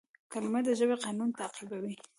کلیمه د ژبي قانون تعقیبوي.